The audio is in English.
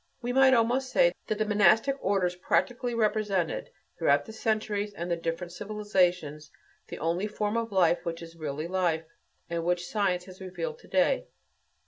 We might almost say that the monastic orders practically represented, throughout the centuries and the different civilizations, the only form of life which is really life that which science has revealed to day.